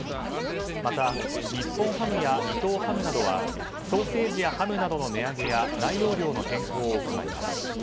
また、日本ハムや伊藤ハムなどはソーセージやハムなどの値上げや内容量の変更を行います。